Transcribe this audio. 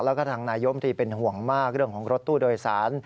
แล้วก็ทางนายมตรีเป็นห่วงมากเรื่องของรถตู้โดยสาร